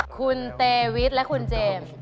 คุณเตวิทและคุณเจมส์